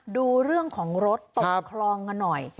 ดูเรื่องของรถตกคลองกันหน่อย